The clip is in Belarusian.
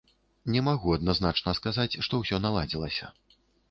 Не магу адназначна сказаць, што ўсё наладзілася.